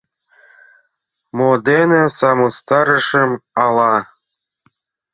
Мо дене сымыстарышым ала?